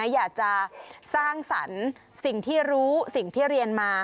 อยากจะสร้างสรรค์สิ่งที่รู้สิ่งที่เรียนมา